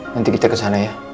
nanti kita kesana ya